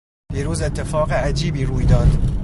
دیروز اتفاق عجیبی روی داد.